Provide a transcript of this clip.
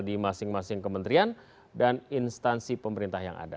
di masing masing kementerian dan instansi pemerintah yang ada